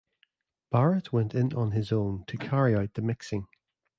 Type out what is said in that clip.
Barrett went in on his own to carry out the mixing.